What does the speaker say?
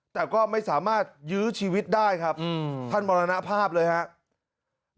แต่ก็ไม่สามารถยื้อชีวิตได้ครับท่านมรณภาพเลยครับ